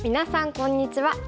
こんにちは。